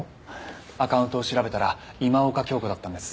アカウントを調べたら今岡鏡子だったんです。